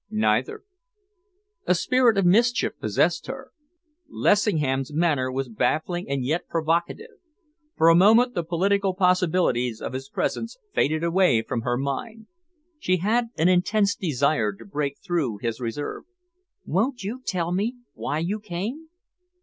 "Neither." A spirit of mischief possessed her. Lessingham's manner was baffling and yet provocative. For a moment the political possibilities of his presence faded away from her mind. She had an intense desire to break through his reserve. "Won't you tell me why you came?"